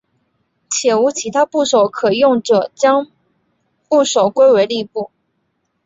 且无其他部首可用者将部首归为立部。